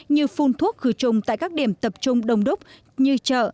như phun thuốc khử trùng tại các điểm tập trung đông đúc như chợ